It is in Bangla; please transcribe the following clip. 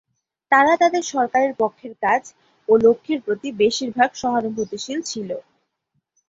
তারা তাদের সরকারের পক্ষের কাজ ও লক্ষ্যের প্রতি বেশিরভাগ সহানুভূতিশীল ছিল।